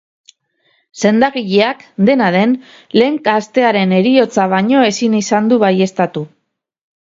Sendagileak, dena den, lehen gaztearen heriotza baino ezin izan du baieztatu.